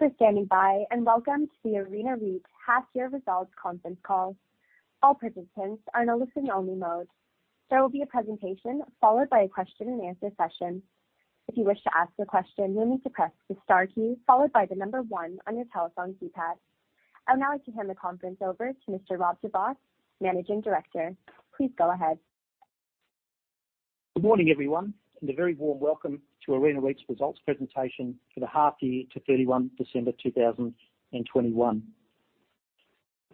Thank you for standing by, and welcome to the Arena REIT half-year results conference call. All participants are in a listen-only mode. There will be a presentation followed by a question-and-answer session. If you wish to ask a question, you'll need to press the star key followed by the number one on your telephone keypad. I'd now like to hand the conference over to Mr. Rob de Vos, Managing Director. Please go ahead. Good morning, everyone, and a very warm welcome to Arena REIT's results presentation for the half year to 31 December 2021.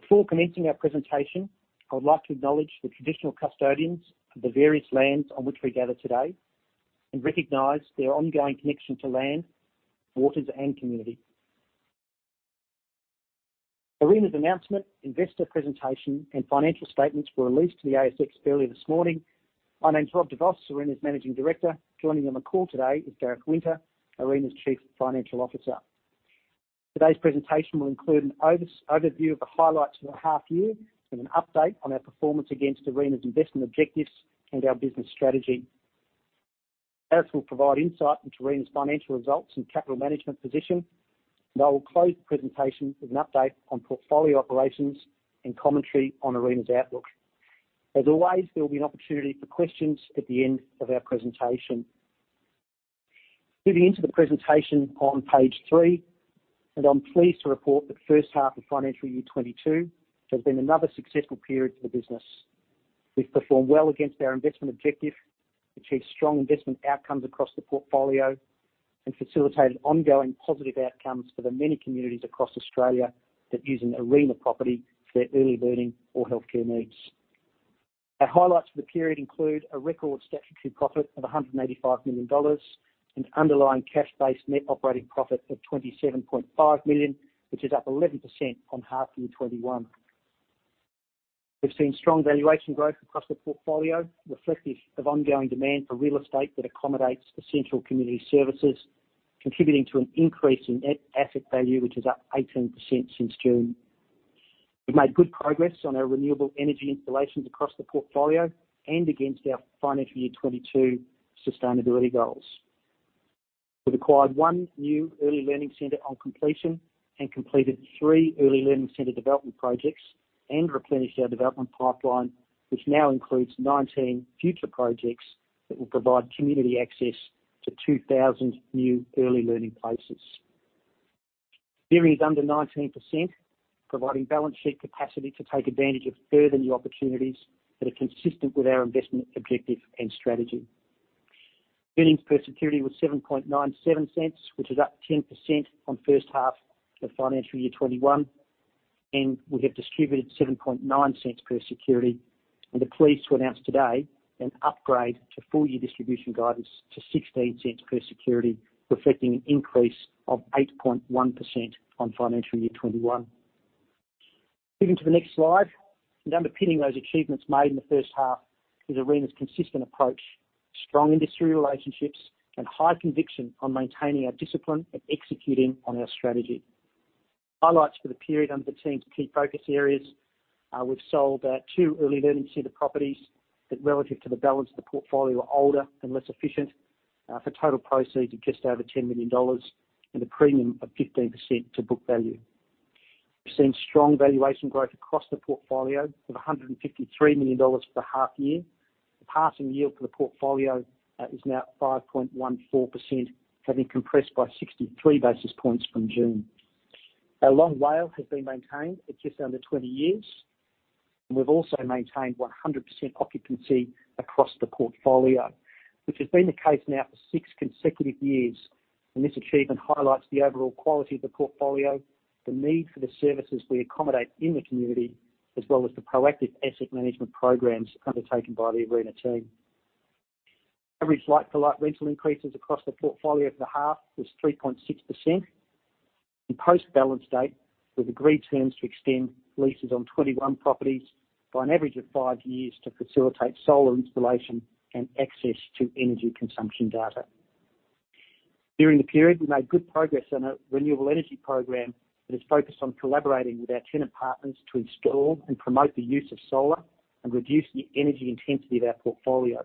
Before commencing our presentation, I would like to acknowledge the traditional custodians of the various lands on which we gather today and recognize their ongoing connection to land, waters, and community. Arena's announcement, investor presentation, and financial statements were released to the ASX earlier this morning. My name is Rob de Vos, Arena's Managing Director. Joining on the call today is Gareth Winter, Arena's Chief Financial Officer. Today's presentation will include an overview of the highlights for the half year and an update on our performance against Arena's investment objectives and our business strategy. Gareth will provide insight into Arena's financial results and capital management position, and I will close the presentation with an update on portfolio operations and commentary on Arena's outlook. As always, there will be an opportunity for questions at the end of our presentation. Moving into the presentation on page three, and I'm pleased to report that first half of financial year 2022 has been another successful period for the business. We've performed well against our investment objective, achieved strong investment outcomes across the portfolio, and facilitated ongoing positive outcomes for the many communities across Australia that use an Arena property for their early learning or healthcare needs. Our highlights for the period include a record statutory profit of 185 million dollars, an underlying cash-based net operating profit of 27.5 million, which is up 11% on half year 2021. We've seen strong valuation growth across the portfolio, reflective of ongoing demand for real estate that accommodates essential community services, contributing to an increase in net asset value, which is up 18% since June. We've made good progress on our renewable energy installations across the portfolio and against our FY 2022 sustainability goals. We've acquired 1 new early learning center on completion and completed 3 early learning center development projects and replenished our development pipeline, which now includes 19 future projects that will provide community access to 2,000 new early learning places. Gearing is under 19%, providing balance sheet capacity to take advantage of further new opportunities that are consistent with our investment objective and strategy. Earnings per security was 0.0797, which is up 10% on first half of FY 2021. We have distributed 7.9 cents per security and are pleased to announce today an upgrade to full-year distribution guidance to 16 cents per security, reflecting an increase of 8.1% on financial year 2021. Moving to the next slide, and underpinning those achievements made in the first half is Arena's consistent approach, strong industry relationships, and high conviction on maintaining our discipline and executing on our strategy. Highlights for the period under the team's key focus areas. We've sold 2 early learning center properties that relative to the balance of the portfolio are older and less efficient, for total proceeds of just over 10 million dollars and a premium of 15% to book value. We've seen strong valuation growth across the portfolio of 153 million dollars for the half year. The passing yield for the portfolio is now 5.14%, having compressed by 63 basis points from June. Our long WALE has been maintained at just under 20 years, and we've also maintained 100% occupancy across the portfolio, which has been the case now for 6 consecutive years. This achievement highlights the overall quality of the portfolio, the need for the services we accommodate in the community, as well as the proactive asset management programs undertaken by the Arena team. Average like-for-like rental increases across the portfolio for the half was 3.6%. In post-balance date, we've agreed terms to extend leases on 21 properties by an average of 5 years to facilitate solar installation and access to energy consumption data. During the period, we made good progress on our renewable energy program that is focused on collaborating with our tenant partners to install and promote the use of solar and reduce the energy intensity of our portfolio.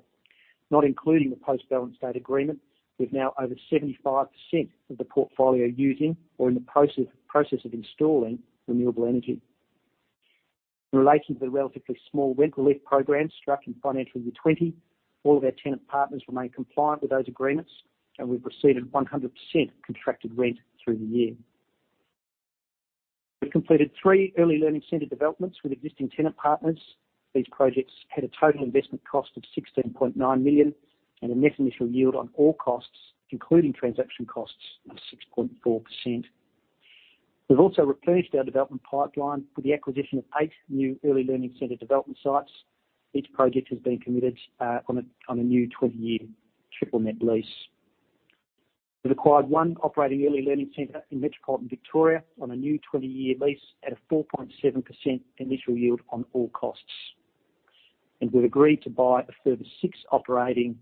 Not including the post-balance date agreement, we have now over 75% of the portfolio using or in the process of installing renewable energy. In relation to the relatively small rent relief program struck in FY 2020, all of our tenant partners remain compliant with those agreements, and we've received 100% contracted rent through the year. We've completed three early learning center developments with existing tenant partners. These projects had a total investment cost of 16.9 million and a net initial yield on all costs, including transaction costs, of 6.4%. We've also replenished our development pipeline with the acquisition of 8 new early learning center development sites. Each project has been committed on a new 20-year triple net lease. We've acquired one operating early learning center in metropolitan Victoria on a new 20-year lease at a 4.7% initial yield on all costs. We've agreed to buy a further 6 operating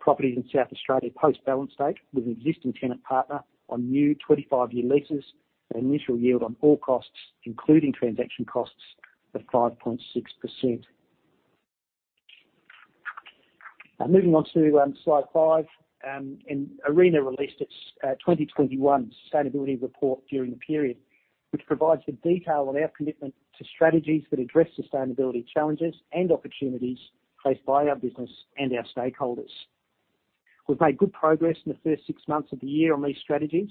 properties in South Australia post-balance date with an existing tenant partner on new 25-year leases at an initial yield on all costs, including transaction costs, of 5.6%. Moving on to slide 5. Arena released its 2021 sustainability report during the period, which provides the detail on our commitment to strategies that address sustainability challenges and opportunities faced by our business and our stakeholders. We've made good progress in the first six months of the year on these strategies,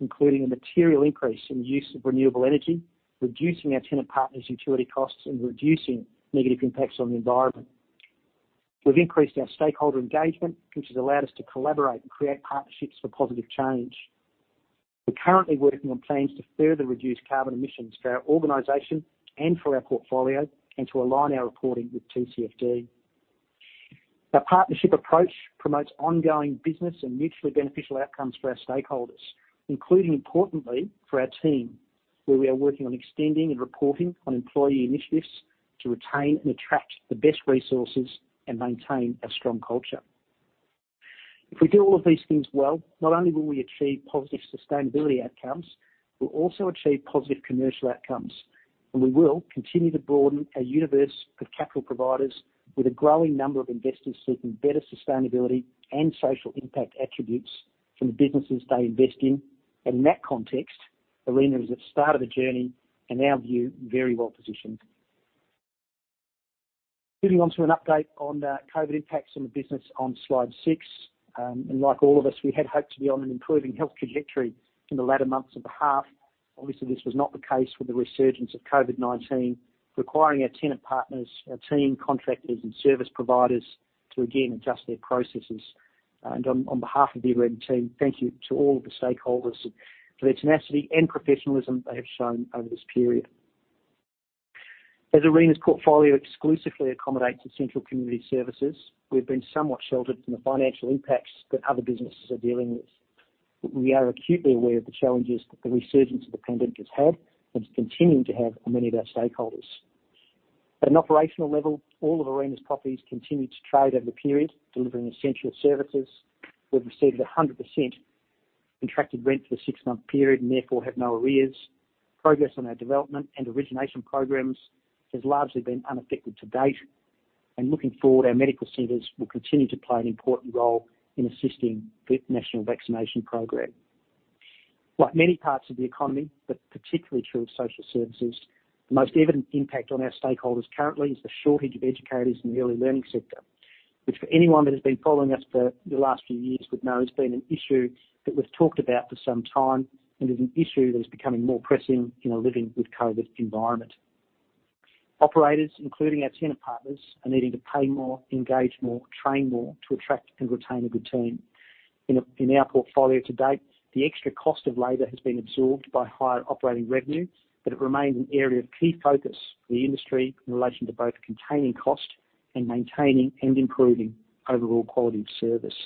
including a material increase in the use of renewable energy, reducing our tenant partners' utility costs, and reducing negative impacts on the environment. We've increased our stakeholder engagement, which has allowed us to collaborate and create partnerships for positive change. We're currently working on plans to further reduce carbon emissions for our organization and for our portfolio and to align our reporting with TCFD. Our partnership approach promotes ongoing business and mutually beneficial outcomes for our stakeholders, including, importantly, for our team, where we are working on extending and reporting on employee initiatives to retain and attract the best resources and maintain our strong culture. If we do all of these things well, not only will we achieve positive sustainability outcomes, we'll also achieve positive commercial outcomes, and we will continue to broaden our universe of capital providers with a growing number of investors seeking better sustainability and social impact attributes from the businesses they invest in. In that context, Arena is at the start of a journey and is now viewed very well-positioned. Moving on to an update on the COVID impacts on the business on slide six. Like all of us, we had hoped to be on an improving health trajectory in the latter months of the half. Obviously, this was not the case with the resurgence of COVID-19, requiring our tenant partners, our team, contractors, and service providers to again adjust their processes. On behalf of the Arena team, thank you to all of the stakeholders for their tenacity and professionalism they have shown over this period. As Arena's portfolio exclusively accommodates essential community services, we've been somewhat sheltered from the financial impacts that other businesses are dealing with. We are acutely aware of the challenges that the resurgence of the pandemic has had and is continuing to have on many of our stakeholders. At an operational level, all of Arena's properties continued to trade over the period, delivering essential services. We've received 100% contracted rent for the six-month period and therefore have no arrears. Progress on our development and origination programs has largely been unaffected to date. Looking forward, our medical centers will continue to play an important role in assisting the national vaccination program. Like many parts of the economy, but particularly true of social services, the most evident impact on our stakeholders currently is the shortage of educators in the early learning sector, which for anyone that has been following us for the last few years would know has been an issue that we've talked about for some time and is an issue that is becoming more pressing in a living with COVID environment. Operators, including our tenant partners, are needing to pay more, engage more, train more to attract and retain a good team. In our portfolio to date, the extra cost of labor has been absorbed by higher operating revenue, but it remains an area of key focus for the industry in relation to both containing cost and maintaining and improving overall quality of service.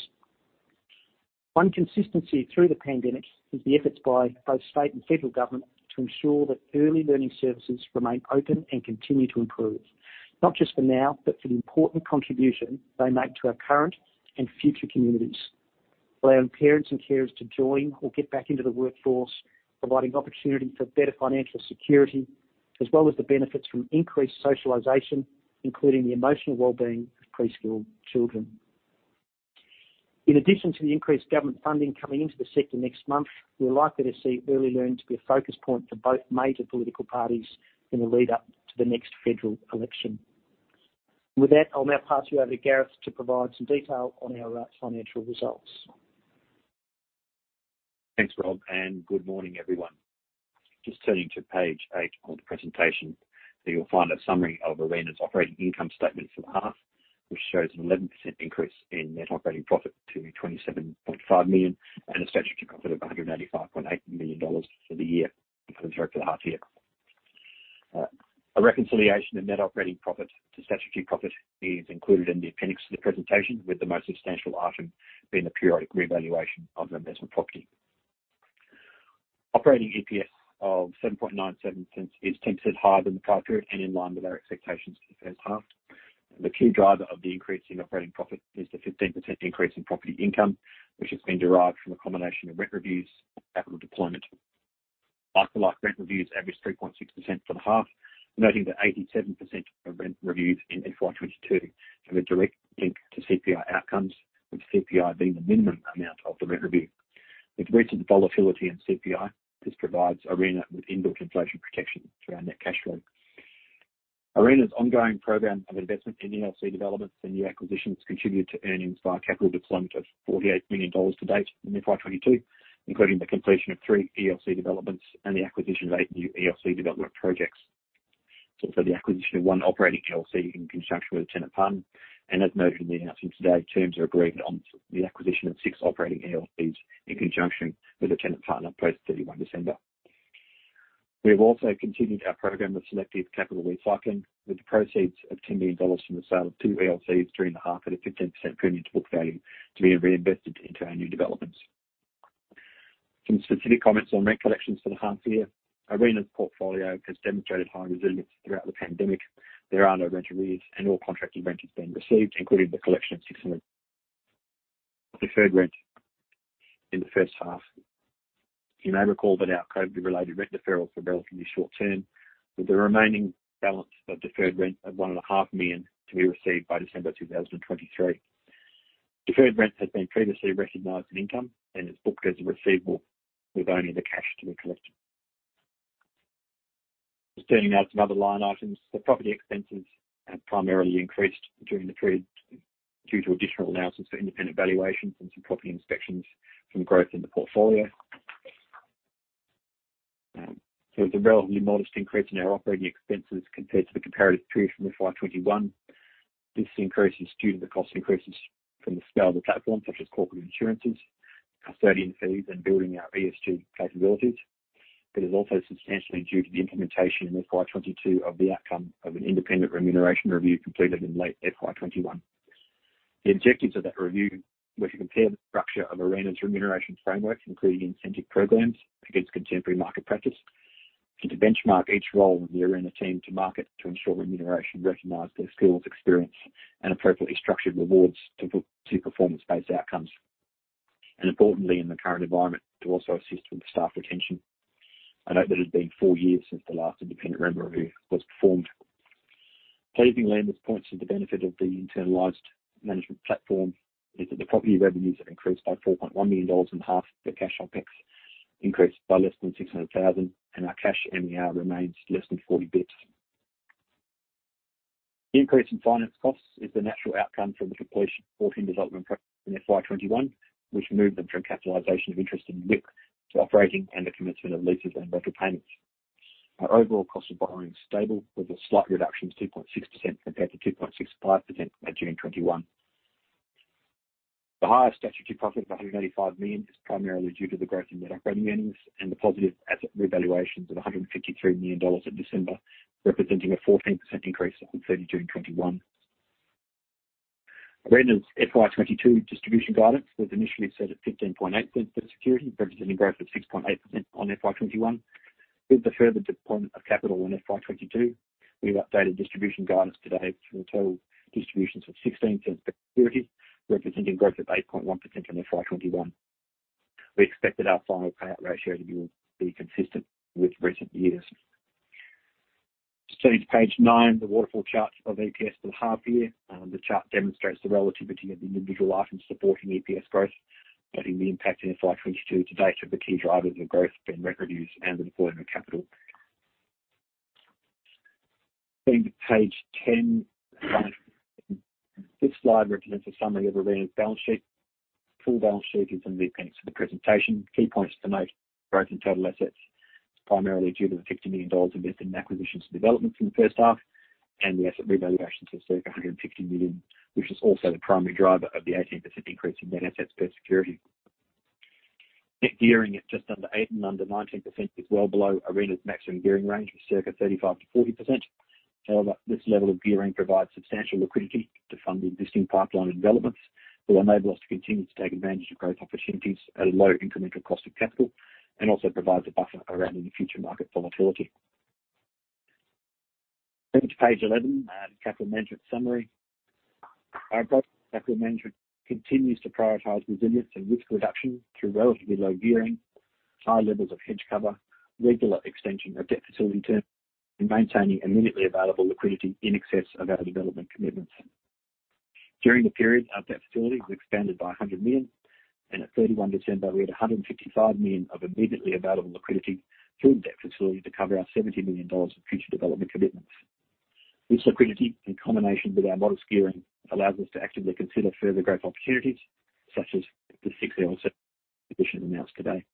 One consistency through the pandemic is the efforts by both state and federal government to ensure that early learning services remain open and continue to improve, not just for now, but for the important contribution they make to our current and future communities, allowing parents and carers to join or get back into the workforce, providing opportunity for better financial security, as well as the benefits from increased socialization, including the emotional well-being of preschool children. In addition to the increased government funding coming into the sector next month, we are likely to see early learning to be a focus point for both major political parties in the lead up to the next federal election. With that, I'll now pass you over to Gareth to provide some detail on our financial results. Thanks, Rob, and good morning, everyone. Just turning to page 8 of the presentation, there you'll find a summary of Arena's operating income statement for the half, which shows an 11% increase in net operating profit to 27.5 million and a statutory profit of 185.8 million dollars for the half year. A reconciliation of net operating profit to statutory profit is included in the appendix to the presentation, with the most substantial item being the periodic revaluation of the investment property. Operating EPS of 0.0797 is 10% higher than the prior period and in line with our expectations for the first half. The key driver of the increase in operating profit is the 15% increase in property income, which has been derived from a combination of rent reviews, capital deployment. Like-for-like rent reviews averaged 3.6% for the half. Noting that 87% of rent reviews in FY 2022 have a direct link to CPI outcomes, with CPI being the minimum amount of the rent review. With recent volatility in CPI, this provides Arena with inbuilt inflation protection through our net cash flow. Arena's ongoing program of investment in ELC developments and new acquisitions contributed to earnings via capital deployment of 48 million dollars to date in the FY 2022, including the completion of 3 ELC developments and the acquisition of 8 new ELC development projects. For the acquisition of 1 operating ELC in conjunction with a tenant partner and as noted in the announcement today, terms are agreed on the acquisition of 6 operating ELCs in conjunction with the tenant partner post 31 December. We have also continued our program of selective capital recycling with the proceeds of 10 million dollars from the sale of 2 ELCs during the half at a 15% premium to book value to be reinvested into our new developments. Some specific comments on rent collections for the half year. Arena's portfolio has demonstrated high resilience throughout the pandemic. There are no rent arrears and all contracted rent is being received, including the collection of 600,000 of deferred rent in the first half. You may recall that our COVID-19-related rent deferrals were relatively short-term, with the remaining balance of deferred rent of 1.5 million to be received by December 2023. Deferred rent has been previously recognized in income and is booked as a receivable, with only the cash to be collected. Just turning now to some other line items. The property expenses have primarily increased during the period due to additional allowances for independent valuations and some property inspections from growth in the portfolio. It's a relatively modest increase in our operating expenses compared to the comparative period from FY 2021. This increase is due to the cost increases from the scale of the platform, such as corporate insurances, custodian fees, and building our ESG capabilities. It is also substantially due to the implementation in FY 2022 of the outcome of an independent remuneration review completed in late FY 2021. The objectives of that review were to compare the structure of Arena's remuneration framework, including incentive programs, against contemporary market practice, and to benchmark each role in the Arena team to market to ensure remuneration recognized their skills, experience, and appropriately structured rewards to performance-based outcomes, and importantly, in the current environment, to also assist with staff retention. I note that it's been four years since the last independent remuneration review was performed. Pleasingly, this points to the benefit of the internalized management platform is that the property revenues have increased by 4.1 million dollars and while the cash OPEX increased by less than 600,000, and our cash MER remains less than 40 basis points. The increase in finance costs is the natural outcome from the completion of 14 development projects in FY 2021, which moved them from capitalization of interest and WIP to operating and the commencement of leases and rental payments. Our overall cost of borrowing is stable with a slight reduction to 2.6% compared to 2.65% at June 2021. The higher statutory profit of 185 million is primarily due to the growth in net operating earnings and the positive asset revaluations of 153 million dollars at December, representing a 14% increase on 30 June 2021. Arena's FY 2022 distribution guidance was initially set at 0.158 per security, representing growth of 6.8% on FY 2021. With the further deployment of capital in FY 2022, we've updated distribution guidance today for total distributions of 0.16 per security, representing growth of 8.1% on FY 2021. We expected our final payout ratio to be consistent with recent years. Just turning to page 9, the waterfall chart of EPS for the half year. The chart demonstrates the relativity of the individual items supporting EPS growth, noting the impact in FY 2022 to date of the key drivers of growth being rent reviews and the deployment of capital. Turning to page 10. This slide represents a summary of Arena's balance sheet. Full balance sheet is in the appendix of the presentation. Key points to note, growth in total assets is primarily due to the 50 million dollars invested in acquisitions and developments in the first half, and the asset revaluations of circa 150 million, which is also the primary driver of the 18% increase in net assets per security. Net gearing at just under 8% and under 19% is well below Arena's maximum gearing range of circa 35%-40%. However, this level of gearing provides substantial liquidity to fund the existing pipeline of developments, will enable us to continue to take advantage of growth opportunities at a low incremental cost of capital, and also provides a buffer around any future market volatility. Turning to page 11, capital management summary. Our broad capital management continues to prioritize resilience and risk reduction through relatively low gearing, high levels of hedge cover, regular extension of debt facility terms, and maintaining immediately available liquidity in excess of our development commitments. During the period, our debt facility was expanded by 100 million, and at 31 December, we had 155 million of immediately available liquidity through the debt facility to cover our 70 million dollars of future development commitments. This liquidity, in combination with our modest gearing, allows us to actively consider further growth opportunities, such as the six asset acquisition announced today.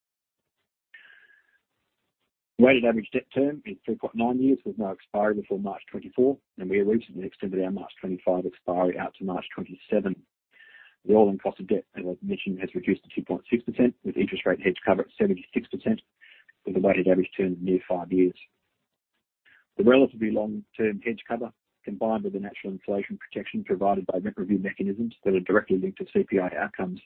Weighted average debt term is 3.9 years with no expiry before March 2024, and we have recently extended our March 2025 expiry out to March 2027. The rolling cost of debt, as I've mentioned, has reduced to 2.6%, with interest rate hedge cover at 76% with a weighted average term of near 5 years. The relatively long-term hedge cover, combined with the natural inflation protection provided by rent review mechanisms that are directly linked to CPI outcomes,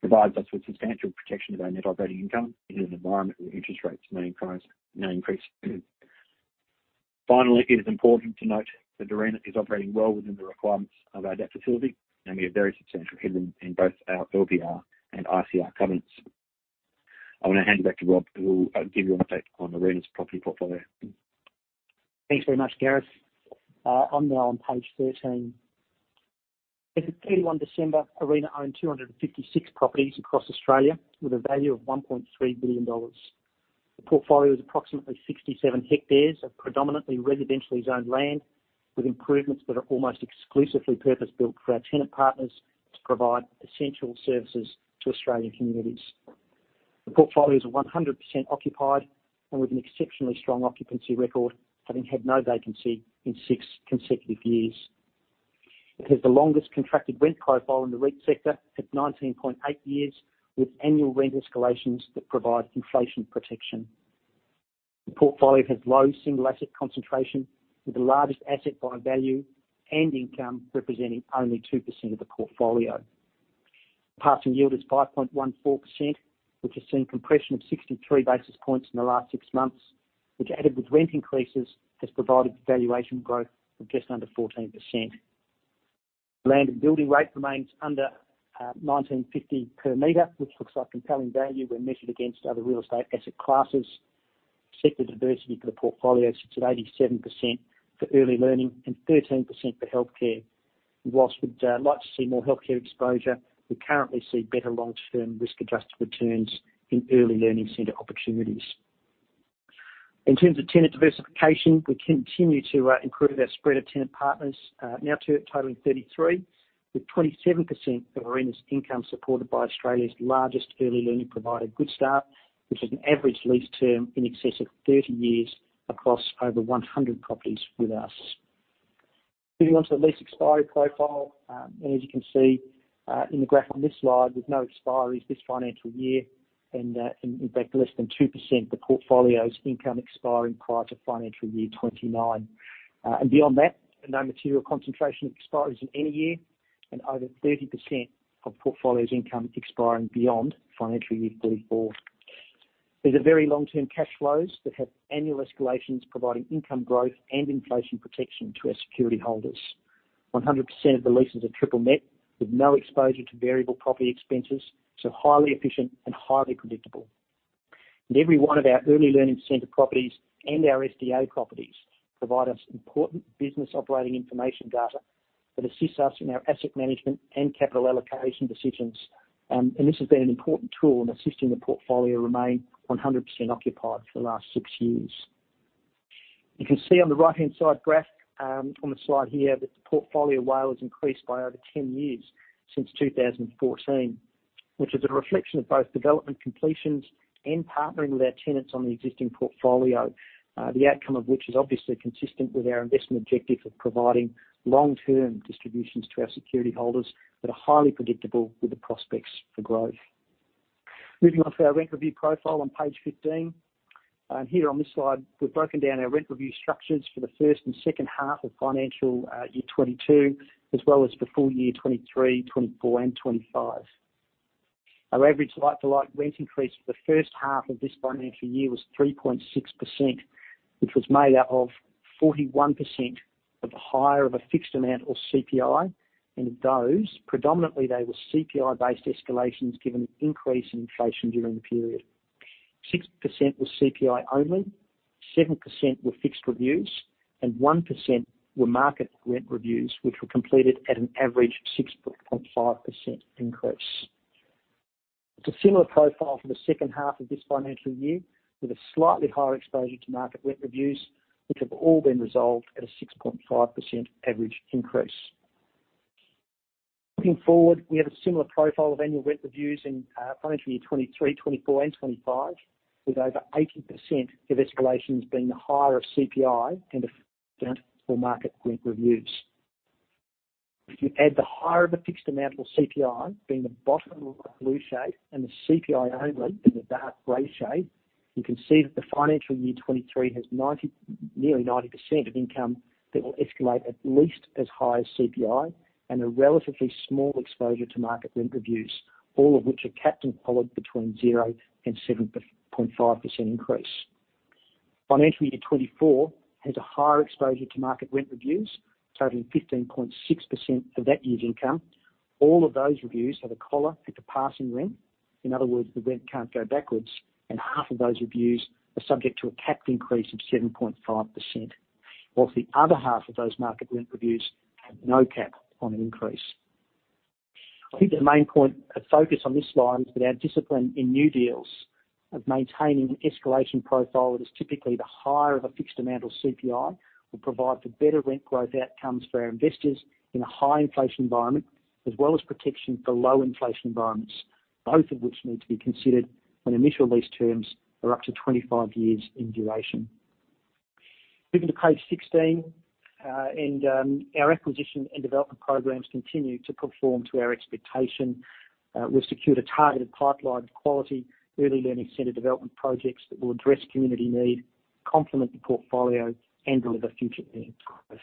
provides us with substantial protection of our net operating income in an environment where interest rates may now increase. Finally, it is important to note that Arena is operating well within the requirements of our debt facility, and we have very substantial headroom in both our LVR and ICR covenants. I want to hand you back to Rob, who will give you an update on Arena's property portfolio. Thanks very much, Gareth. I'm now on page 13. As at 31 December, Arena owned 256 properties across Australia with a value of 1.3 billion dollars. The portfolio is approximately 67 hectares of predominantly residentially zoned land, with improvements that are almost exclusively purpose-built for our tenant partners to provide essential services to Australian communities. The portfolio is 100% occupied and with an exceptionally strong occupancy record, having had no vacancy in 6 consecutive years. It has the longest contracted rent profile in the REIT sector at 19.8 years, with annual rent escalations that provide inflation protection. The portfolio has low single asset concentration, with the largest asset by value and income representing only 2% of the portfolio. Passing yield is 5.14%, which has seen compression of 63 basis points in the last six months, which added with rent increases, has provided valuation growth of just under 14%. Land and building rate remains under 1950 per meter, which looks like compelling value when measured against other real estate asset classes. Sector diversity for the portfolio sits at 87% for early learning and 13% for healthcare. Whilst we'd like to see more healthcare exposure, we currently see better long-term risk-adjusted returns in early learning center opportunities. In terms of tenant diversification, we continue to improve our spread of tenant partners now totaling 33, with 27% of our rent's income supported by Australia's largest early learning provider, Goodstart, which has an average lease term in excess of 30 years across over 100 properties with us. Moving on to the lease expiry profile. As you can see, in the graph on this slide, there's no expiries this financial year and, in fact, less than 2% of the portfolio's income expiring prior to financial year 2029. Beyond that, no material concentration of expiries in any year and over 30% of portfolio's income expiring beyond financial year 2034. These are very long-term cash flows that have annual escalations, providing income growth and inflation protection to our security holders. 100% of the leases are triple net with no exposure to variable property expenses, so highly efficient and highly predictable. Every one of our early learning center properties and our SDA properties provide us important business operating information data that assists us in our asset management and capital allocation decisions. This has been an important tool in assisting the portfolio remain 100% occupied for the last six years. You can see on the right-hand side graph, on the slide here, that the portfolio WALE has increased by over 10 years since 2014, which is a reflection of both development completions and partnering with our tenants on the existing portfolio. The outcome of which is obviously consistent with our investment objective of providing long-term distributions to our security holders that are highly predictable with the prospects for growth. Moving on to our rent review profile on page 15. Here on this slide, we've broken down our rent review structures for the first and second half of financial year 2022, as well as the full year 2023, 2024, and 2025. Our average like-for-like rent increase for the first half of this financial year was 3.6%, which was made up of 41% of the higher of a fixed amount or CPI. Of those, predominantly they were CPI-based escalations given the increase in inflation during the period. 6% was CPI only, 7% were fixed reviews, and 1% were market rent reviews, which were completed at an average of 6.5% increase. It's a similar profile for the second half of this financial year, with a slightly higher exposure to market rent reviews, which have all been resolved at a 6.5% average increase. Looking forward, we have a similar profile of annual rent reviews in financial year 2023, 2024, and 2025, with over 80% of escalations being the higher of CPI and amount for market rent reviews. If you add the higher of a fixed amount or CPI, being the bottom of the blue shade, and the CPI only in the dark gray shade, you can see that the financial year 2023 has nearly 90% of income that will escalate at least as high as CPI and a relatively small exposure to market rent reviews, all of which are capped and collared between 0% and 7.5% increase. Financial year 2024 has a higher exposure to market rent reviews, totaling 15.6% of that year's income. All of those reviews have a collar at the passing rent. In other words, the rent can't go backwards, and half of those reviews are subject to a capped increase of 7.5%, whilst the other half of those market rent reviews have no cap on an increase. I think the main point of focus on this slide is that our discipline in new deals of maintaining an escalation profile that is typically the higher of a fixed amount or CPI, will provide for better rent growth outcomes for our investors in a high inflation environment, as well as protection for low inflation environments, both of which need to be considered when initial lease terms are up to 25 years in duration. Moving to page 16. Our acquisition and development programs continue to perform to our expectation. We've secured a targeted pipeline of quality early learning center development projects that will address community need, complement the portfolio, and deliver future earnings growth.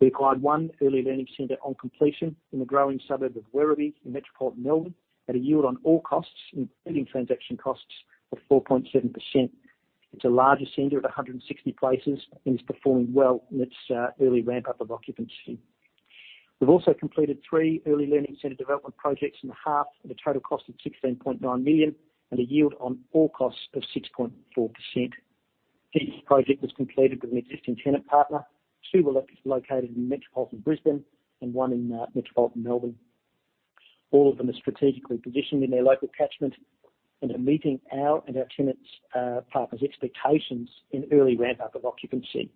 We acquired one early learning center on completion in the growing suburb of Werribee in metropolitan Melbourne at a yield on all costs, including transaction costs of 4.7%. It's a larger center at 160 places and is performing well in its early ramp-up of occupancy. We've also completed three early learning center development projects in the half at a total cost of 16.9 million and a yield on all costs of 6.4%. Each project was completed with an existing tenant partner. Two were located in metropolitan Brisbane and one in metropolitan Melbourne. All of them are strategically positioned in their local catchment and are meeting our tenants partners' expectations in early ramp-up of occupancy.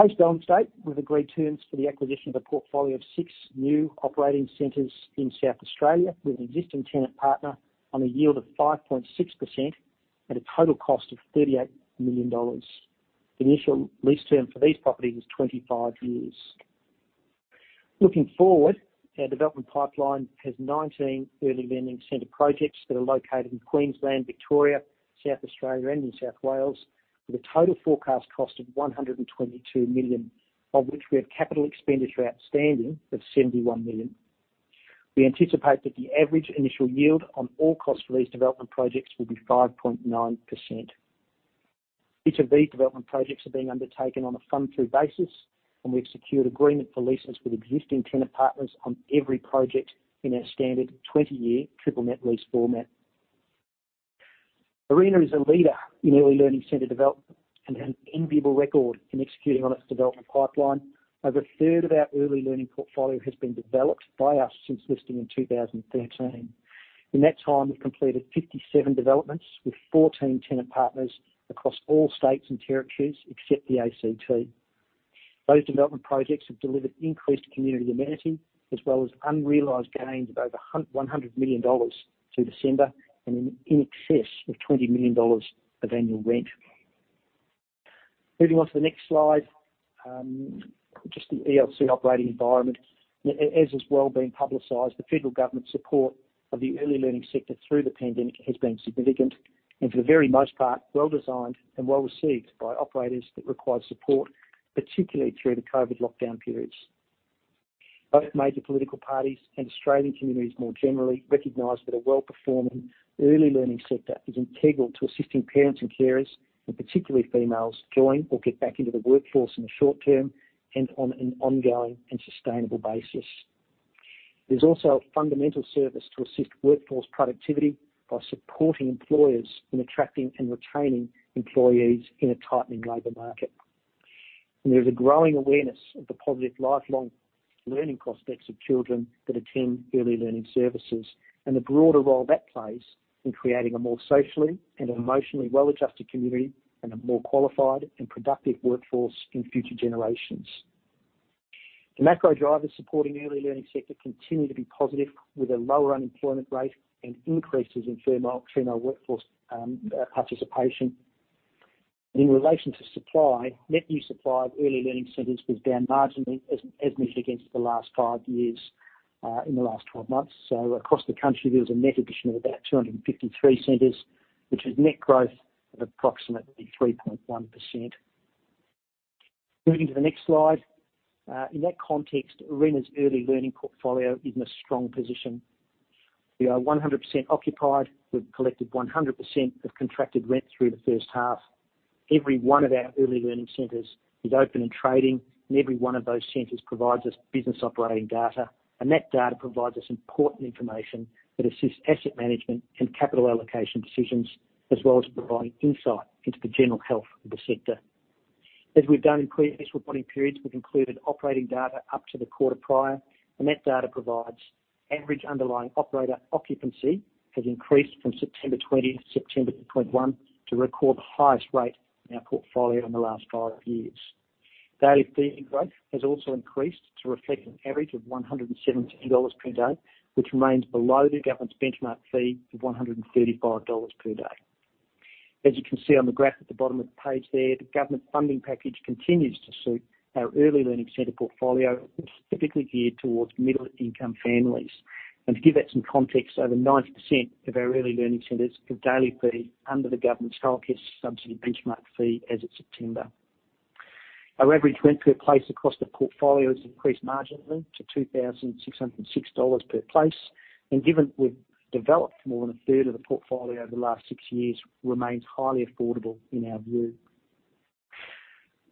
Post-balance date, we've agreed terms for the acquisition of a portfolio of 6 new operating centers in South Australia with an existing tenant partner on a yield of 5.6% at a total cost of 38 million dollars. The initial lease term for these properties is 25 years. Looking forward, our development pipeline has 19 early learning center projects that are located in Queensland, Victoria, South Australia, and in New South Wales, with a total forecast cost of 122 million, of which we have capital expenditure outstanding of 71 million. We anticipate that the average initial yield on all cost for these development projects will be 5.9%. Each of these development projects are being undertaken on a fund through basis, and we've secured agreement for leases with existing tenant partners on every project in our standard 20-year triple net lease format. Arena is a leader in early learning center development and has an enviable record in executing on its development pipeline. Over a third of our early learning portfolio has been developed by us since listing in 2013. In that time, we've completed 57 developments with 14 tenant partners across all states and territories, except the ACT. Those development projects have delivered increased community amenity as well as unrealized gains of over 100 million dollars through December and in excess of 20 million dollars of annual rent. Moving on to the next slide, just the ELC operating environment. As is well publicized, the federal government support of the early learning sector through the pandemic has been significant and for the very most part, well-designed and well-received by operators that require support, particularly through the COVID lockdown periods. Both major political parties and Australian communities more generally recognize that a well-performing early learning sector is integral to assisting parents and carers, and particularly females, join or get back into the workforce in the short term and on an ongoing and sustainable basis. There's also a fundamental service to assist workforce productivity by supporting employers in attracting and retaining employees in a tightening labor market. There's a growing awareness of the positive lifelong learning prospects of children that attend early learning services and the broader role that plays in creating a more socially and emotionally well-adjusted community and a more qualified and productive workforce in future generations. The macro drivers supporting the early learning sector continue to be positive, with a lower unemployment rate and increases in female workforce participation. In relation to supply, net new supply of early learning centers was down marginally as measured against the last 5 years in the last 12 months. Across the country, there was a net addition of about 253 centers, which is net growth of approximately 3.1%. Moving to the next slide. In that context, Arena's early learning portfolio is in a strong position. We are 100% occupied. We've collected 100% of contracted rent through the first half. Every one of our early learning centers is open and trading, and every one of those centers provides us business operating data, and that data provides us important information that assists asset management and capital allocation decisions, as well as providing insight into the general health of the sector. As we've done in previous reporting periods, we've included operating data up to the quarter prior, and that data provides average underlying operator occupancy has increased from September 2020 to September 2021 to record the highest rate in our portfolio in the last five years. Daily fee growth has also increased to reflect an average of 117 dollars per day, which remains below the government's benchmark fee of 135 dollars per day. As you can see on the graph at the bottom of the page there, the government funding package continues to suit our early learning center portfolio, which is typically geared towards middle-income families. To give that some context, over 90% of our early learning centers have daily fee under the government's Child Care Subsidy benchmark fee as of September. Our average rent per place across the portfolio has increased marginally to 2,606 dollars per place, and given we've developed more than a third of the portfolio over the last six years, remains highly affordable in our view.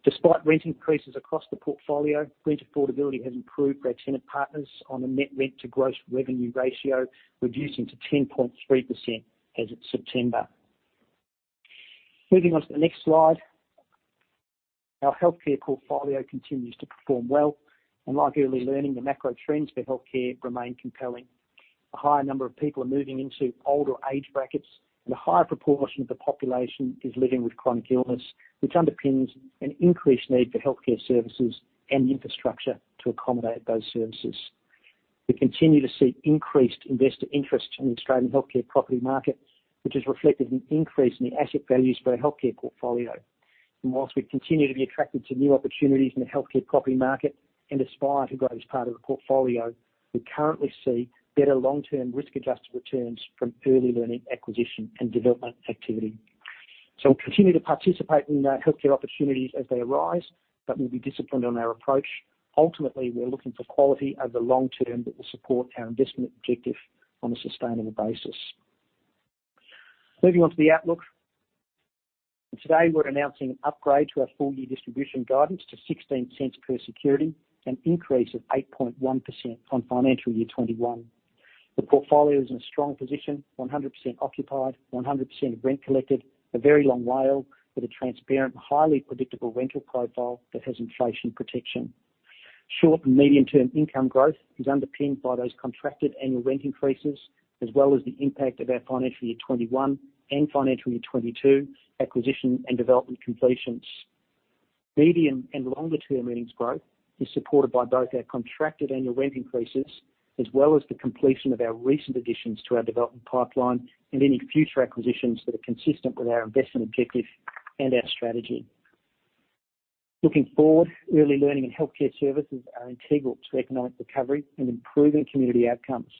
Despite rent increases across the portfolio, rent affordability has improved for our tenant partners on a net rent to gross revenue ratio, reducing to 10.3% as of September. Moving on to the next slide. Our healthcare portfolio continues to perform well, and like early learning, the macro trends for healthcare remain compelling. A higher number of people are moving into older age brackets, and a higher proportion of the population is living with chronic illness, which underpins an increased need for healthcare services and infrastructure to accommodate those services. We continue to see increased investor interest in the Australian healthcare property market, which is reflected in the increase in the asset values for our healthcare portfolio. While we continue to be attracted to new opportunities in the healthcare property market and aspire to grow as part of the portfolio, we currently see better long-term risk-adjusted returns from early learning acquisition and development activity. We'll continue to participate in the healthcare opportunities as they arise, but we'll be disciplined on our approach. Ultimately, we're looking for quality over the long term that will support our investment objective on a sustainable basis. Moving on to the outlook. Today, we're announcing an upgrade to our full-year distribution guidance to 0.16 per security, an increase of 8.1% on FY 2021. The portfolio is in a strong position, 100% occupied, 100% of rent collected, a very long WALE with a transparent, highly predictable rental profile that has inflation protection. Short and medium-term income growth is underpinned by those contracted annual rent increases, as well as the impact of our financial year 2021 and financial year 2022 acquisition and development completions. Medium and longer-term earnings growth is supported by both our contracted annual rent increases as well as the completion of our recent additions to our development pipeline and any future acquisitions that are consistent with our investment objective and our strategy. Looking forward, early learning and healthcare services are integral to economic recovery and improving community outcomes.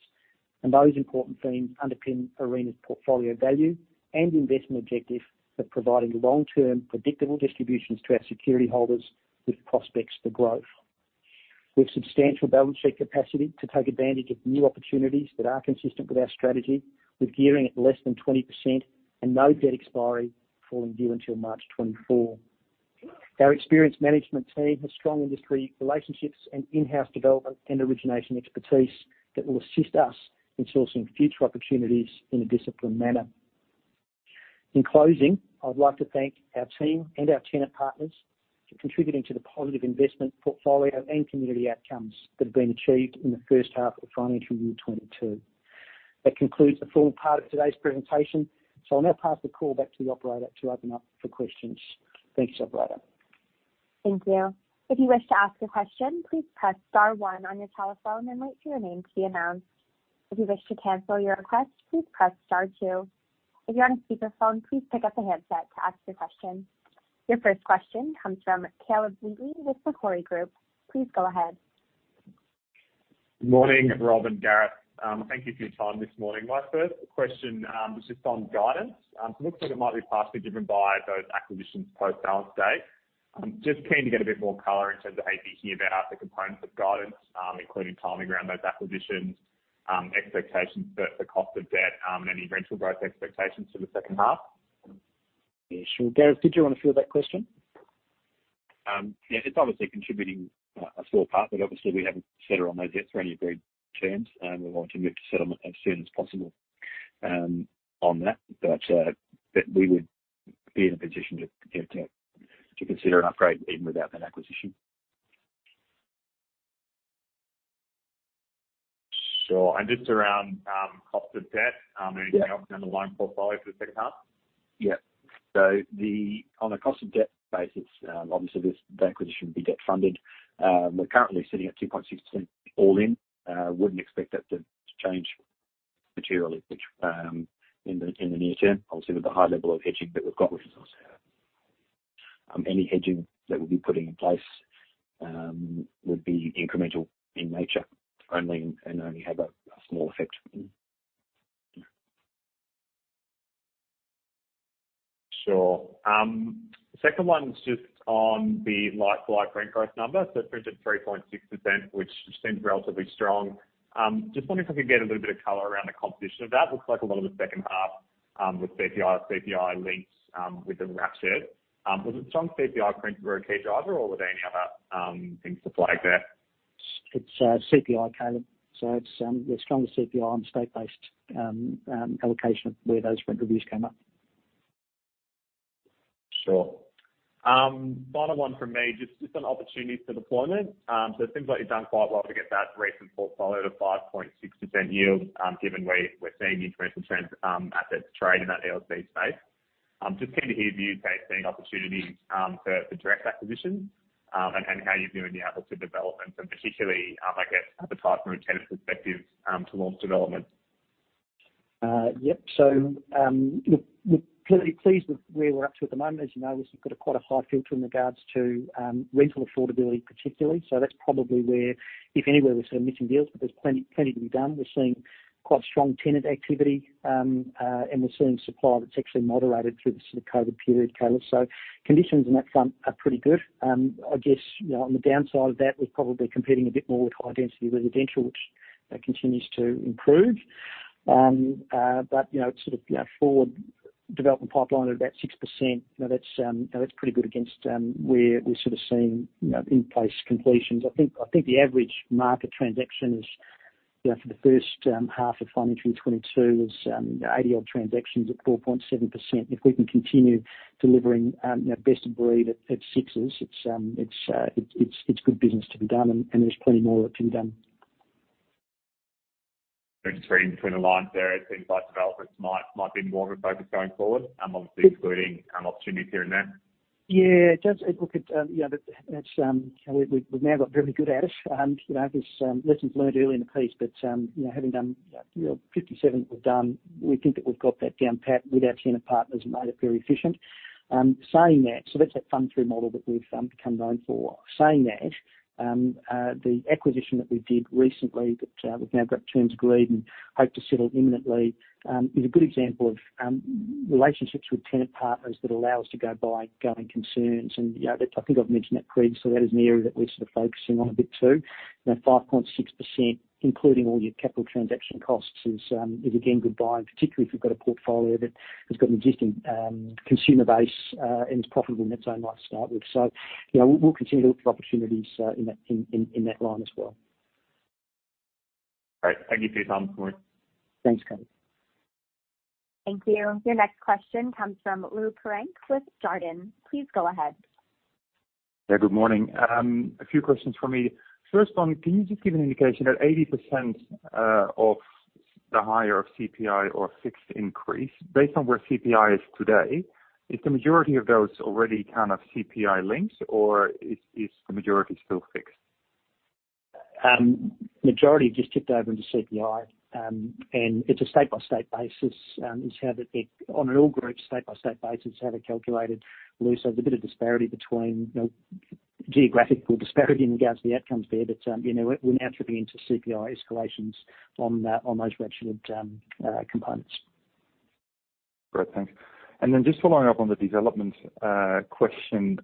Those important themes underpin Arena's portfolio value and investment objective of providing long-term predictable distributions to our security holders with prospects for growth. We have substantial balance sheet capacity to take advantage of new opportunities that are consistent with our strategy, with gearing at less than 20% and no debt expiry falling due until March 2024. Our experienced management team has strong industry relationships and in-house development and origination expertise that will assist us in sourcing future opportunities in a disciplined manner. In closing, I'd like to thank our team and our tenant partners for contributing to the positive investment portfolio and community outcomes that have been achieved in the first half of financial year 2022. That concludes the formal part of today's presentation, so I'll now pass the call back to the operator to open up for questions. Thanks, operator. Your first question comes from Caleb Wheatley with Macquarie Group. Please go ahead. Good morning, Rob de Vos and Gareth Winter. Thank you for your time this morning. My first question was just on guidance. Looks like it might be partially driven by those acquisitions post-balance date. Just keen to get a bit more color in terms of how you hear about the components of guidance, including timing around those acquisitions, expectations for the cost of debt, and any rental growth expectations for the second half. Yeah, sure. Gareth, did you want to field that question? Yeah. It's obviously contributing a small part, but obviously we haven't settled on those yet for any agreed terms, and we want to move to settlement as soon as possible on that. We would be in a position to consider an upgrade even without that acquisition. Sure. Just around cost of debt. the loan portfolio for the second half. On a cost of debt basis, obviously this acquisition will be debt funded. We're currently sitting at 2.6% all in. Wouldn't expect that to change materially, which in the near term, obviously with the high level of hedging that we've got. Any hedging that we'll be putting in place would be incremental in nature only and only have a small effect. Sure. Second one's just on the like-for-like rent growth number. It printed 3.6%, which seems relatively strong. Just wondering if I could get a little bit of color around the composition of that. Looks like a lot of the second half was CPI linked within the warehouse. Was it strong CPI prints that were a key driver, or were there any other things to flag there? It's CPI, Caleb. It's the stronger CPI and state-based allocation of where those rent reviews came up. Sure. Final one from me, just on opportunities for deployment. It seems like you've done quite well to get that recent portfolio to 5.6% yield, given we're seeing the incremental trends, assets trade in that ELC space. Just keen to hear views about seeing opportunities, for direct acquisitions, and how you view any outlook to developments and particularly, I guess, appetite from a tenant perspective, to launch development. Yep. We're pretty pleased with where we're up to at the moment. As you know, we've got quite a high filter in regards to rental affordability particularly. That's probably where, if anywhere, we're sort of missing deals, but there's plenty to be done. We're seeing quite strong tenant activity, and we're seeing supply that's actually moderated through the sort of COVID period, Caleb. Conditions on that front are pretty good. I guess, you know, on the downside of that, we're probably competing a bit more with high density residential, which, you know, continues to improve. But, you know, sort of, you know, forward development pipeline at about 6%, you know, that's pretty good against where we're sort of seeing, you know, in place completions. I think the average market transaction is, you know, for the first half of FY 2022, 80-odd transactions at 4.7%. If we can continue delivering, you know, best of breed at 6s, it's good business to be done and there's plenty more that can be done. Just reading between the lines there, it seems like developments might be more of a focus going forward, obviously excluding opportunities here and there? Yeah. Just look at, you know, that's, Caleb, we've now got really good at it. You know, there's some lessons learned early in the piece, but, you know, having done, you know, 57 that we've done, we think that we've got that down pat with our tenant partners and made it very efficient. Saying that, so that's that fund through model that we've become known for. Saying that, the acquisition that we did recently that we've now got terms agreed and hope to settle imminently, is a good example of relationships with tenant partners that allow us to go buy going concerns. You know, that's. I think I've mentioned that previously. That is an area that we're sort of focusing on a bit too. You know, 5.6%, including all your capital transaction costs is again good buying, particularly if you've got a portfolio that has got an existing consumer base and is profitable in its own right to start with. You know, we'll continue to look for opportunities in that line as well. Great. Thank you for your time this morning. Thanks, Caleb. Thank you. Your next question comes from Lou Pirenc with Jarden. Please go ahead. Yeah, good morning. A few questions for me. First one, can you just give an indication that 80% of the higher CPI or fixed increase based on where CPI is today, is the majority of those already kind of CPI links or is the majority still fixed? Majority just tipped over into CPI. It's a state-by-state basis on an all group state-by-state basis, how they're calculated, Lou. There's a bit of disparity between, you know, geographical disparity in regards to the outcomes there, but you know, we're now tripping into CPI escalations on that on those rent-linked components. Great. Thanks. Just following up on the development question,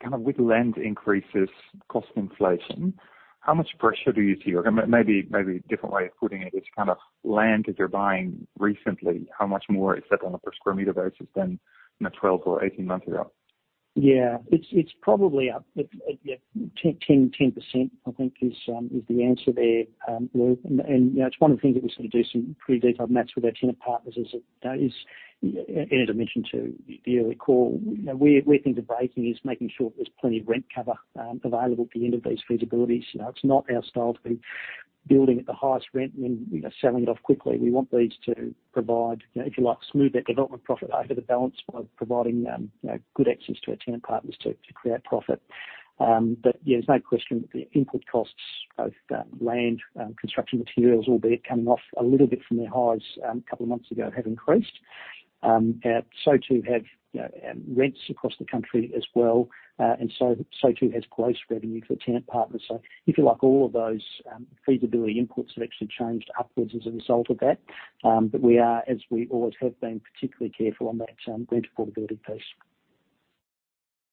kind of with rent increases, cost inflation, how much pressure do you see here? Maybe a different way of putting it is kind of land that you're buying recently, how much more is that on a per square meter basis than, you know, 12 or 18 months ago? Yeah. It's probably up at 10%, I think is the answer there, where you know, it's one of the things that we sort of do some pretty detailed math with our tenant partners as it, you know, is. As I mentioned to the early call, you know, we're thinking of breaking is making sure there's plenty of rent cover available at the end of these feasibilities. You know, it's not our style to be building at the highest rent and, you know, selling it off quickly. We want these to provide, you know, if you like, smooth that development profit over the balance by providing, you know, good access to our tenant partners to create profit. Yeah, there's no question that the input costs, both land, construction materials, albeit coming off a little bit from their highs, a couple of months ago, have increased. So too have, you know, rents across the country as well, so too has gross revenue for tenant partners. If you like, all of those feasibility inputs have actually changed upwards as a result of that. We are, as we always have been, particularly careful on that rent affordability piece.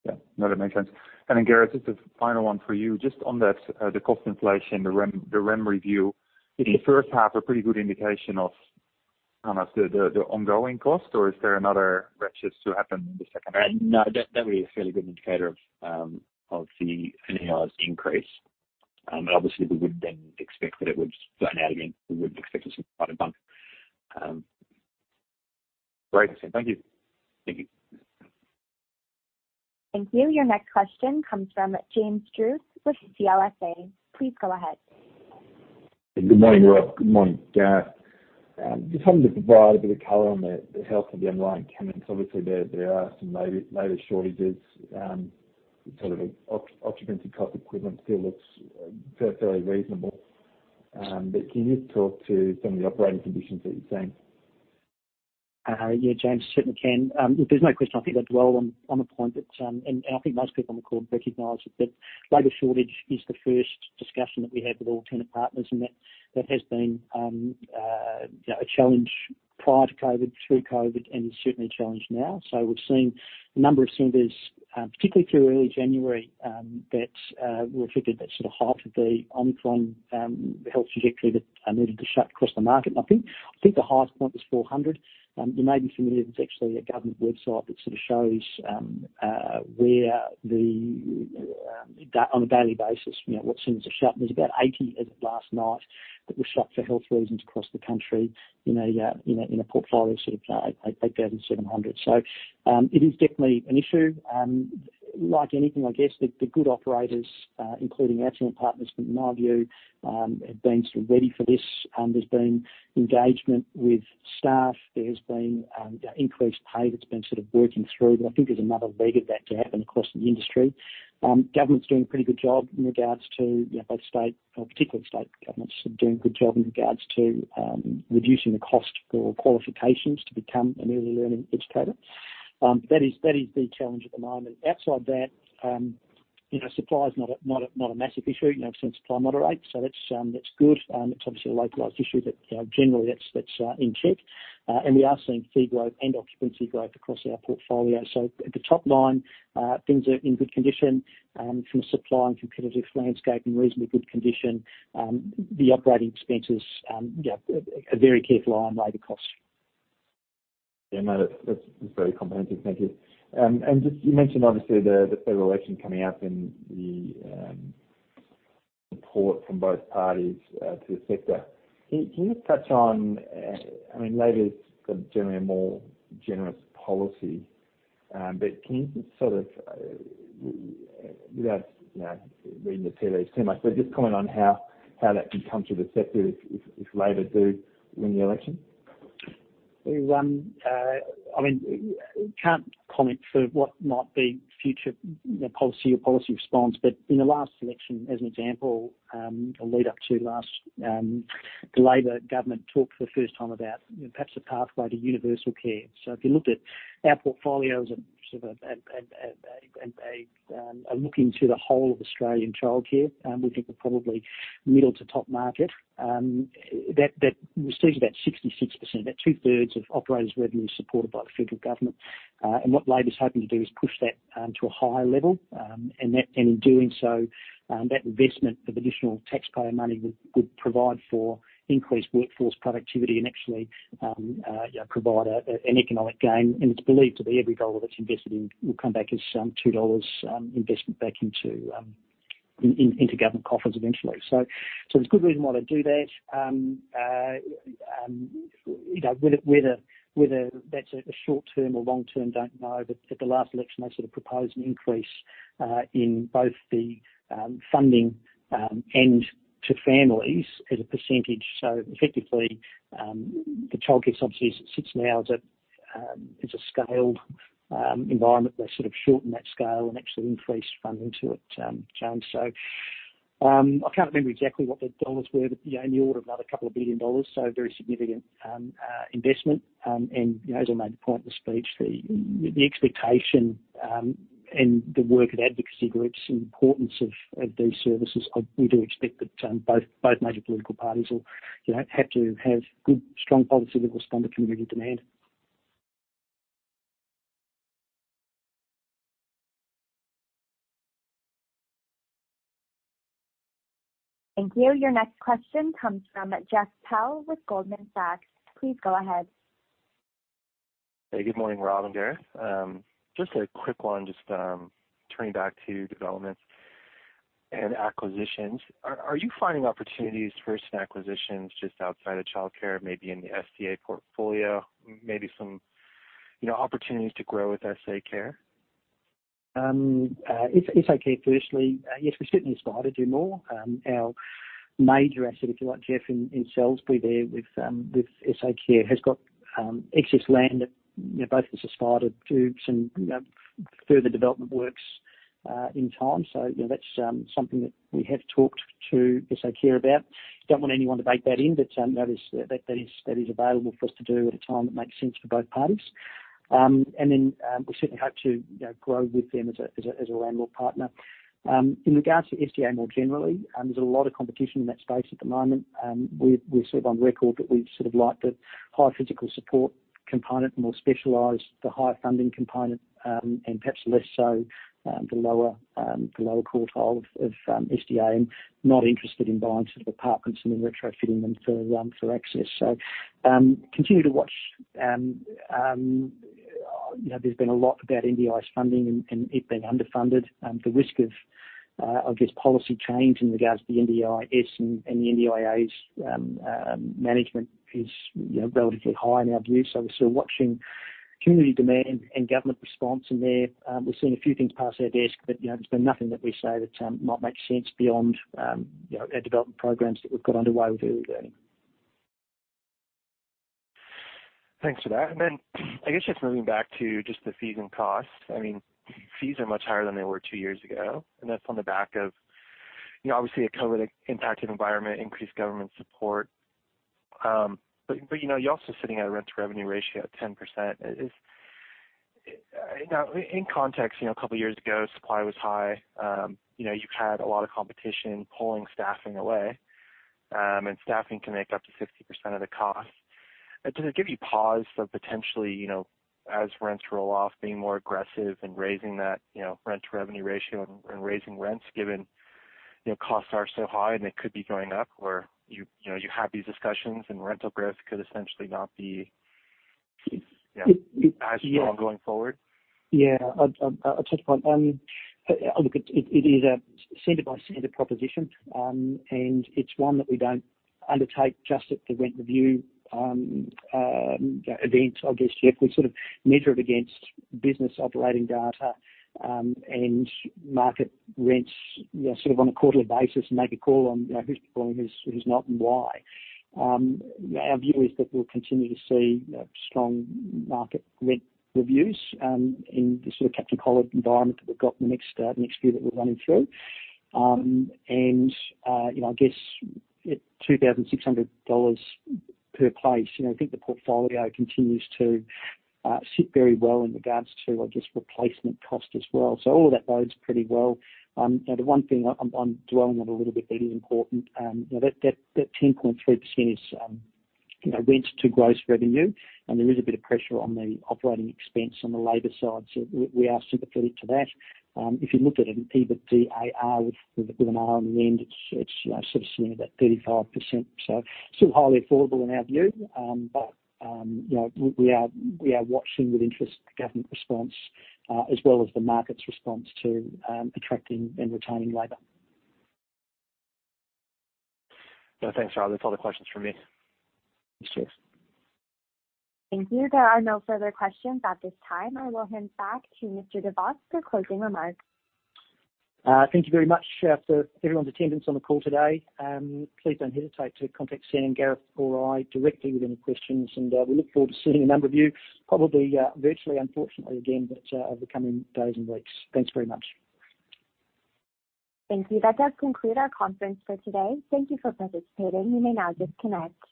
Yeah. No, that makes sense. Then, Gareth, just a final one for you. Just on that, the cost inflation, the MER review. Is the first half a pretty good indication of almost the ongoing cost, or is there another ratchet to happen in the second half? No, that'll be a fairly good indicator of the NAR's increase. Obviously we would then expect that it would flatten out again. We wouldn't expect it to create quite a bump. Great. Thank you. Thank you. Thank you. Your next question comes from James Druce with CLSA. Please go ahead. Good morning, Rob. Good morning, Gareth. Just wanted to provide a bit of color on the health of the underlying tenants. Obviously, there are some labor shortages, occupancy cost equivalent still looks very reasonable. Can you talk to some of the operating conditions that you're seeing? Yeah, James, certainly can. Look, there's no question I think I dwell on the point that, and I think most people on the call recognize that labor shortage is the first discussion that we have with all tenant partners and that has been, you know, a challenge prior to COVID, through COVID, and certainly a challenge now. We've seen a number of centers, particularly through early January, that reflected that sort of height of the Omicron health trajectory that needed to shut across the market. I think the highest point was 400. You may be familiar, there's actually a government website that sort of shows where the, on a daily basis, you know, what centers are shut. There's about 80 as of last night that were shut for health reasons across the country in a portfolio of sort of 8,700. So, it is definitely an issue. Like anything, I guess the good operators, including our tenant partners, from my view, have been sort of ready for this. There's been engagement with staff. There has been increased pay that's been sort of working through, but I think there's another leg of that to happen across the industry. Government's doing a pretty good job in regards to, you know, both state or particularly state governments are doing a good job in regards to reducing the cost for qualifications to become an early learning educator. That is the challenge at the moment. Outside that, you know, supply is not a massive issue, since supply is moderate. That's good. It's obviously a localized issue, but you know, generally that's in check. We are seeing fee growth and occupancy growth across our portfolio. At the top line, things are in good condition from a supply and competitive landscape in reasonably good condition. The operating expenses, yeah, a very careful eye on labor costs. Yeah, no, that's very comprehensive. Thank you. Just you mentioned obviously the federal election coming up and the support from both parties to the sector. Can you just touch on, I mean, Labor's got generally a more generous policy, but can you sort of, without, you know, reading the tea leaves too much, but just comment on how that can come to the sector if Labor do win the election? I mean, can't comment for what might be future, you know, policy or policy response, but in the lead up to the last election, the Labor government talked for the first time about perhaps a pathway to universal care. If you looked at our portfolio as a sort of a look into the whole of Australian childcare, we think we're probably middle to top market that receives about 66%, about 2/3 of operators' revenue supported by the federal government. What Labor's hoping to do is push that to a higher level. In doing so, that investment of additional taxpayer money would provide for increased workforce productivity and actually, you know, provide an economic gain. It's believed that every dollar that's invested in will come back as two dollars investment back into government coffers eventually. There's good reason why they do that. You know, whether that's a short term or long term, don't know. At the last election, they sort of proposed an increase in both the funding and to families as a percentage. Effectively, the Child Care Subsidy sits now as a scaled environment. They sort of shorten that scale and actually increase funding to it, James. I can't remember exactly what the dollars were, but you know, in the order of another couple of billion AUD, so very significant investment. You know, as I made the point in the speech, the expectation and the work of advocacy groups and importance of these services, we do expect that both major political parties will, you know, have to have good, strong policy that will respond to community demand. Thank you. Your next question comes from Jeff Powell with Goldman Sachs. Please go ahead. Hey, good morning, Rob and Gareth. Just a quick one, turning back to developments and acquisitions. Are you finding opportunities for some acquisitions just outside of childcare, maybe in the SDA portfolio, maybe some, you know, opportunities to grow with SACARE? It's okay, firstly. Yes, we certainly aspire to do more. Our major asset, if you like, Jeff, in Salisbury there with SACARE, has got excess land that, you know, both of us aspire to some further development works in time. You know, that's something that we have talked to SACARE about. Don't want anyone to bake that in, but that is available for us to do at a time that makes sense for both parties. We certainly hope to, you know, grow with them as a landlord partner. In regards to SDA more generally, there's a lot of competition in that space at the moment. We're sort of on record that we'd sort of like the higher physical support component, more specialized, the higher funding component, and perhaps less so the lower quartile of SDA. I'm not interested in buying sort of apartments and then retrofitting them for access. Continue to watch. You know, there's been a lot about NDIS funding and it being underfunded. The risk of, I guess, policy change in regards to the NDIS and the NDIA's management is, you know, relatively high in our view. We're still watching community demand and government response. There we've seen a few things pass our desk, but, you know, there's been nothing that we say that might make sense beyond, you know, our development programs that we've got underway with Early Learning. Thanks for that. I guess just moving back to just the fees and costs. I mean, fees are much higher than they were two years ago, and that's on the back of, you know, obviously a COVID impacted environment, increased government support. But you know, you're also sitting at a rent to revenue ratio of 10%. Now, in context, you know, a couple years ago, supply was high. You know, you had a lot of competition pulling staffing away, and staffing can make up to 50% of the cost. Does it give you pause for potentially, you know, as rents roll off, being more aggressive in raising that, you know, rent to revenue ratio and raising rents given, you know, costs are so high and it could be going up or you know you have these discussions and rental growth could essentially not be, you know, as strong going forward? Yeah. A touch upon. Look, it is a center by center proposition, and it's one that we don't undertake just at the rent review, you know, event, I guess, Jeff. We sort of measure it against business operating data, and market rents, you know, sort of on a quarterly basis and make a call on, you know, who's performing, who's not and why. Our view is that we'll continue to see, you know, strong market rent reviews, in the sort of cap and collar environment that we've got in the next year that we're running through. You know, I guess at 2,600 dollars per place, you know, I think the portfolio continues to sit very well in regards to, I guess, replacement cost as well. All of that bodes pretty well. You know, the one thing I'm dwelling on a little bit that is important, you know, that 10.3% is, you know, rent to gross revenue, and there is a bit of pressure on the operating expense on the labor side. We are sympathetic to that. If you looked at an EBITDA with a little R on the end, it's sort of sitting at that 35%. Still highly affordable in our view. But, you know, we are watching with interest the government response, as well as the market's response to attracting and retaining labor. Well, thanks, Rob. That's all the questions from me. Thanks, Jeff. Thank you. There are no further questions at this time. I will hand back to Mr. de Vos for closing remarks. Thank you very much for everyone's attendance on the call today. Please don't hesitate to contact Justin Bailey, Gareth Winter or I directly with any questions. We look forward to seeing a number of you probably virtually, unfortunately again, but over the coming days and weeks. Thanks very much. Thank you. That does conclude our conference for today. Thank you for participating. You may now disconnect.